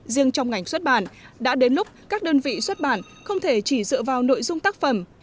riêng trong ngành xuất bản đã đến lúc các đơn vị xuất bản không thể chỉ dựa vào nội dung tác phẩm